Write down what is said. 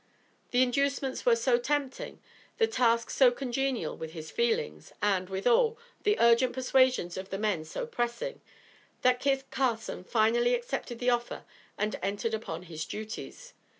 The inducements were so tempting, the task so congenial with his feelings, and, withal, the urgent persuasions of the men so pressing, that Kit Carson finally accepted the offer and entered upon his duties.